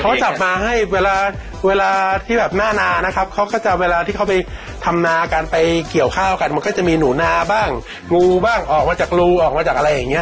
เขาจับมาให้เวลาเวลาที่แบบหน้านานะครับเขาก็จะเวลาที่เขาไปทำนากันไปเกี่ยวข้าวกันมันก็จะมีหนูนาบ้างงูบ้างออกมาจากรูออกมาจากอะไรอย่างเงี้